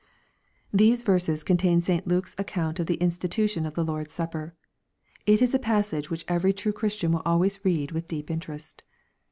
These verses contain St. Luke's account of the institu tion of the Lord's supper. It is a passage which every true Christian will always read with deep interest.